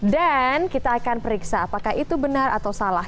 dan kita akan periksa apakah itu benar atau salah